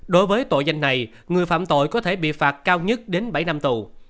đối với tội danh này người phạm tội có thể bị phạt cao nhất đến bảy năm tù